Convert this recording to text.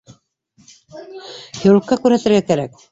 Хирургка күрһәтергә кәрәк